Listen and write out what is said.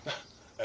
え？